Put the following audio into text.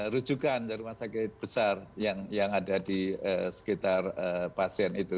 rujukan rumah sakit besar yang ada di sekitar pasien itu